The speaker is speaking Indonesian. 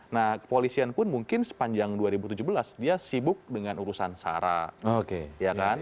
nah kepolisian pun mungkin sepanjang dua ribu tujuh belas dia sibuk dengan urusan sarah